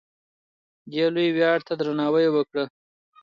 دې لوی ویاړ ته درناوی وکړه.